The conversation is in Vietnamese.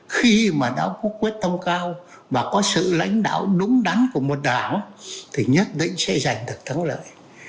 khi mà nó có quyết thông cao và có sự lãnh đạo đúng đắn của một đảo thì nhất định sẽ giành được thắng lợi